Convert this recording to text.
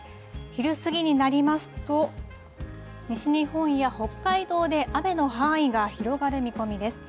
昼過ぎになりますと、西日本や北海道で雨の範囲が広がる見込みです。